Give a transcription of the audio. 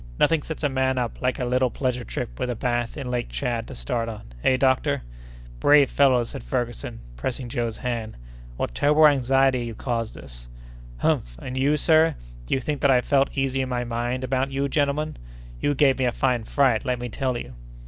Nothing sets a man up like a little pleasure trip with a bath in Lake Tchad to start on—eh, doctor?" "Brave fellow!" said Ferguson, pressing Joe's hand, "what terrible anxiety you caused us!" "Humph! and you, sir? Do you think that I felt easy in my mind about you, gentlemen? You gave me a fine fright, let me tell you!"